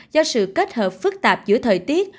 do sự kết hợp phức tạp giữa thời tiết